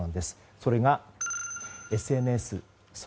それが、ＳＮＳ。